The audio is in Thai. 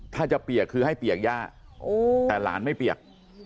ถ้าจะเปียกคือให้เปียกย่าแต่หลานไม่เปียก